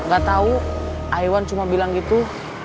gak tahu iwan cuma bilang gitu